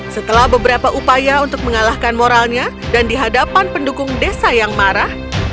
setelah beberapa upaya untuk mengalahkan moralnya dan di hadapan pendukung desa yang marah